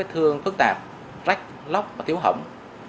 vết thương phức tạp rách lóc và thiếu hỏng